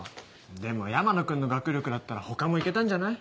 でも山野君の学力だったら他も行けたんじゃない？